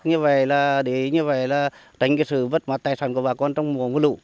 như vậy là để như vậy là tránh cái sự vất vả tài sản của bà con trong mùa mưa lũ